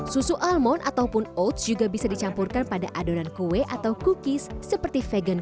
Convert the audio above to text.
susu almond ataupun oats juga bisa dicampurkan pada adonan kue atau cookies seperti vegan